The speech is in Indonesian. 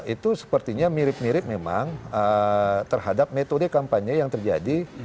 itu sepertinya mirip mirip memang terhadap metode kampanye yang terjadi